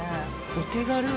お手軽。